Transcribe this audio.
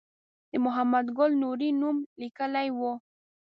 د محمد ګل نوري نوم لیکلی و.